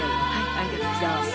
ありがとうございます。